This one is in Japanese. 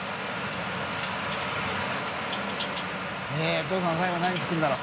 ┐お父さん最後何作るんだろう？